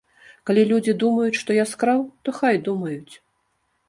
Калі людзі думаюць, што я скраў, то хай думаюць.